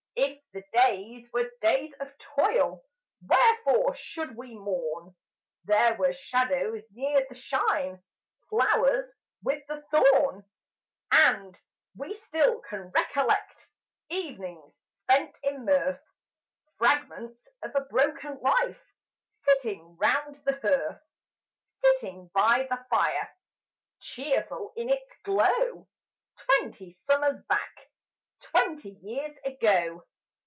If the days were days of toil Wherefore should we mourn; There were shadows near the shine, Flowers with the thorn? And we still can recollect Evenings spent in mirth Fragments of a broken life, Sitting round the hearth: Sitting by the fire, Cheerful in its glow, Twenty summers back Twenty years ago.